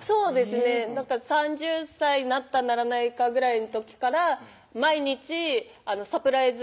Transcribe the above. そうですね３０歳なったならないかぐらいの時から毎日サプライズ